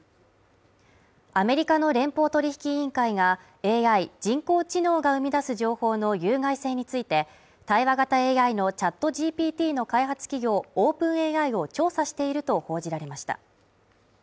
アメリカの連邦取引委員会がＡＩ＝人工知能が生み出す情報の有害性について対話型ＡＩのＣｈａｔＧＰＴの開発企業ＯｐｅｎＡＩを調査していると報じられました。